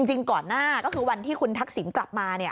จริงก่อนหน้าก็คือวันที่คุณทักษิณกลับมา